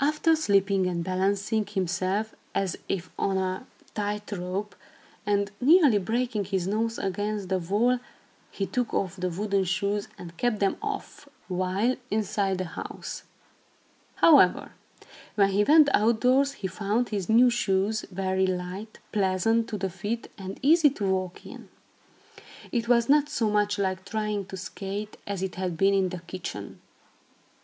After slipping and balancing himself, as if on a tight rope, and nearly breaking his nose against the wall, he took off the wooden shoes, and kept them off, while inside the house. However, when he went outdoors, he found his new shoes very light, pleasant to the feet and easy to walk in. It was not so much like trying to skate, as it had been in the kitchen.